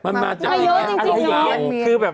มันมาเยอะจริงแล้วมันมีอีก